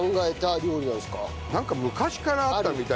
なんか昔からあったみたいで。